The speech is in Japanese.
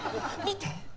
見て！